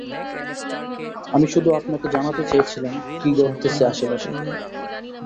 আমি শুধু আপনাকে জানাতে চেয়েছিলাম কি ঘটতেছে আশেপাশে।